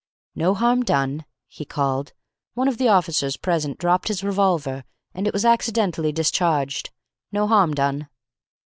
"No harm done," he called. "One of the officers present dropped his revolver, and it was accidently discharged. No harm done."